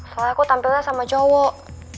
soalnya aku tampilnya sama cowok